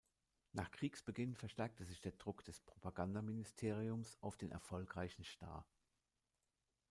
Nach Kriegsbeginn verstärkte sich der Druck des Propagandaministeriums auf den erfolgreichen Star.